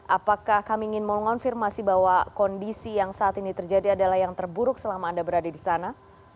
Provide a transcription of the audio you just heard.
apakah kami ingin mengonfirmasi bahwa kondisi yang saat ini terjadi adalah yang terburuk selama anda berada di sana